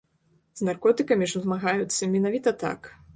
З наркотыкамі ж змагаюцца менавіта так.